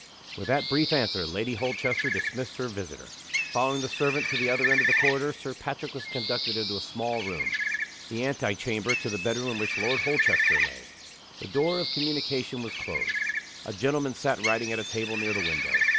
With that brief answer, Lady Holchester dismissed her visitor. Following the servant to the other end of the corridor, Sir Patrick was conducted into a small room the ante chamber to the bedroom in which Lord Holchester lay. The door of communication was closed. A gentleman sat writing at a table near the window.